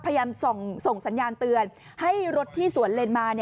พยายามส่งสัญญาณเตือนให้รถที่สวนเลนมา